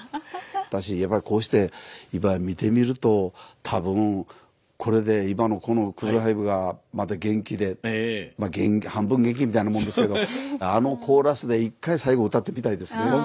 やっぱりこうして今見てみると多分これで今のこのクール・ファイブがまた元気で元気半分元気みたいなもんですけどあのコーラスで１回最後歌ってみたいですね。